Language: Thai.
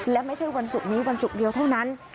และไม่ใช่วันศุกร์นี้วันศุกร์เดียวเท่านั้น